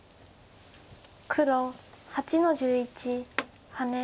黒８の十一ハネ。